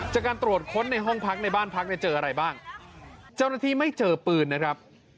จากการตรวจค้นในห้องพักในบ้านพักเนี่ยเจออะไรบ้างเจ้าหน้าที่ไม่เจอปืนนะครับ